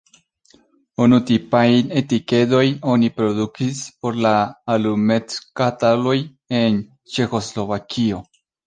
Unutipajn etikedojn oni produktis por la alumetskatoloj en Ĉeĥoslovakio.